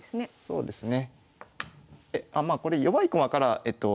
そうですね。